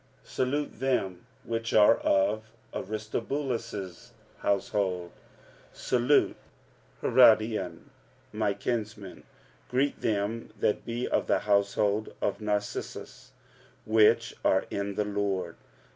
Salute them which are of Aristobulus' household. 45:016:011 Salute Herodion my kinsman. Greet them that be of the household of Narcissus, which are in the Lord.